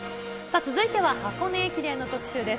続いては箱根駅伝の特集です。